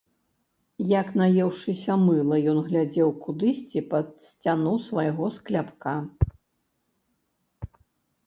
Як наеўшыся мыла ён глядзеў кудысьці пад сцяну свайго скляпка.